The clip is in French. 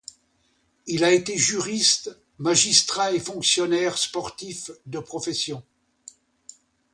Il a été juriste, magistrat et fonctionnaire sportif de profession.